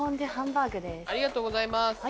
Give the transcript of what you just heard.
ありがとうございます。